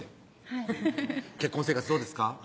はい結婚生活どうですか？